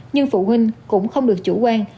nhưng phụ huynh cũng không được chủ quan